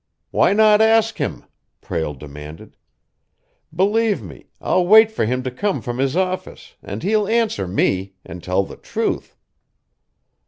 "Why not ask him?" Prale demanded. "Believe me, I'll wait for him to come from his office and he'll answer me, and tell the truth!"